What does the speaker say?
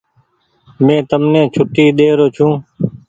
مين تمني ڇوٽي ڏيرو ڇو۔